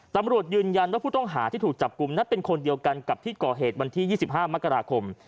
ตำรวจยืนยันว่าผู้ต้องหาที่ถูกจับกลุ่มนั้นเป็นคนเดียวกันกับที่ก่อเหตุวันที่๒๕มกราคม